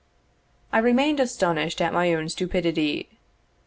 I remained astonished at my own stupidity.